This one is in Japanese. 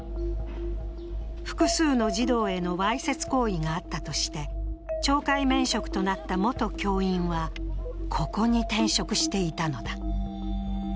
複数の児童へのわいせつ行為があったとして懲戒免職となった元教員はここに転職していたのだ。